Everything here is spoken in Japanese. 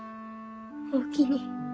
おおきに。